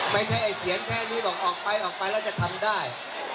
ไม่ใช่ไอ้เสียงแค่นี้บอกออกไปออกไปแล้วจะทำได้